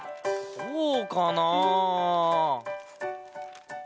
こうかな？